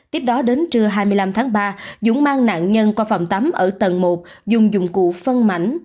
tiếp đó đến trưa hai mươi năm tháng ba dũng mang nạn nhân qua phòng tắm ở tầng một dùng dụng cụ phân mảnh